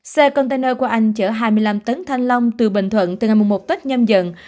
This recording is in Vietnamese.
xe container của anh chở hai mươi năm tấn thanh long từ bình thuận từ ngày một tết nhâm dần